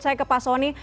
saya ke pak soni